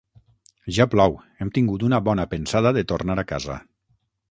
Ja plou: hem tingut una bona pensada de tornar a casa.